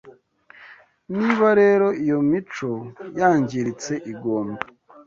Niba rero iyo mico yangiritse igomba